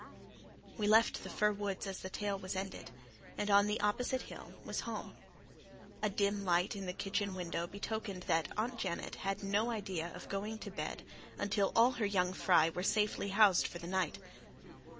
We left the fir woods as the tale was ended, and on the opposite hill was home. A dim light in the kitchen window betokened that Aunt Janet had no idea of going to bed until all her young fry were safely housed for the night.